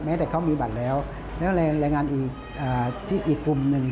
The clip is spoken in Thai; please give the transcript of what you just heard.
แม้แต่เขามีบัตรแล้วและรายงานอีกกลุ่มหนึ่ง